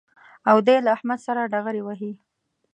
او دی له احمد سره ډغرې وهي